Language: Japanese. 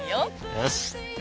よし！